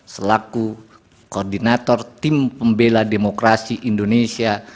selaku koordinator tim pembela demokrasi indonesia